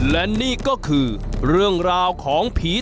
และนี่ก็คือเรื่องราวของผี